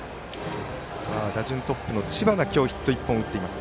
打順トップの知花がヒット１本打っています。